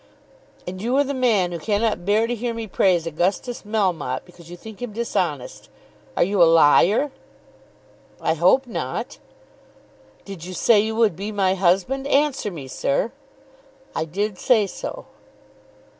"And you are the man who cannot bear to hear me praise Augustus Melmotte because you think him dishonest! Are you a liar?" "I hope not." "Did you say you would be my husband? Answer me, sir." "I did say so."